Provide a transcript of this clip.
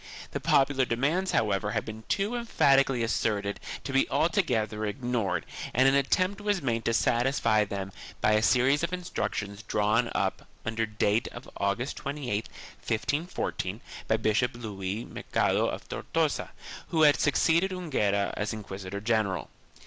1 The popular demands, however, had been too emphatically asserted to be altogether ignored and an attempt was made to satisfy them by a series of instructions drawn up, under date of August 28, 1514, by Bishop Luis Mercader of Tortosa, who had succeeded Enguera as inquisitor general.